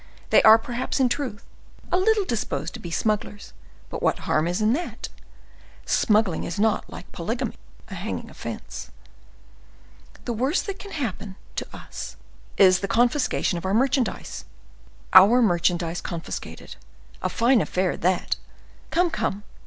They are, perhaps, in truth, a little disposed to be smugglers, but what harm is in that? Smuggling is not, like polygamy, a hanging offense. The worst that can happen to us is the confiscation of our merchandise. Our merchandise confiscated—a fine affair that! Come, come!